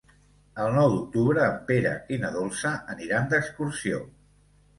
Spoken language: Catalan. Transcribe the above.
El nou d'octubre en Pere i na Dolça aniran d'excursió.